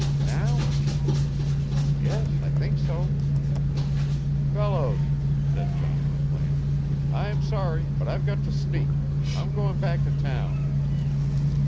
"Now?" "Yes, I think so." "Fellows," said Johnny McLean, "I'm sorry, but I've got to sneak. I'm going back to town."